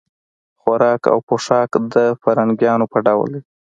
خوراک او پوښاک د فرنګیانو په ډول دی.